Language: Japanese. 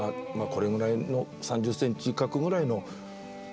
これぐらいの３０ｃｍ角ぐらいの水槽かな。